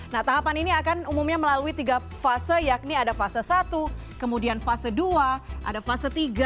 nah tahapan ini akan umumnya melalui tiga fase yakni ada fase satu kemudian fase dua ada fase tiga